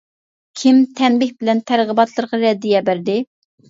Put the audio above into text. كىم تەنبىھ بىلەن تەرغىباتلىرىغا رەددىيە بەردى؟ !